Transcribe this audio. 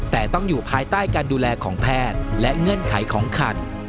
แต่ต้องอยู่ภายใต้การดูแลของแพทย์และเงื่อนไขของคัน